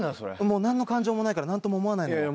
もう何の感情もないからなんとも思わないのよ。